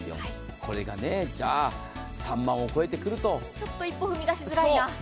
これが３万円を超えてくると、ちょっと一歩踏み出しづらいな。